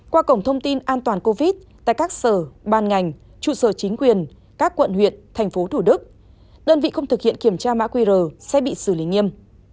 qua cổng thông tin an toàn covid tại các sở ban ngành trụ sở chính quyền các quận huyện thành phố thủ đức đơn vị không thực hiện kiểm tra mã qr sẽ bị xử lý nghiêm